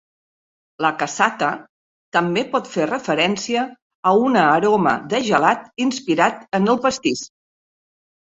La "cassata" també pot fer referència a una aroma de gelat inspirat en el pastís.